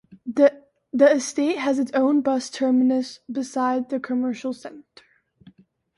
The estate has its own bus terminus beside the commercial centre.